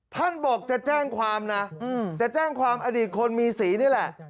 ท่านบอกจะแจ้งความนะจะแจ้งความอดีตคนมีสีนี่แหละ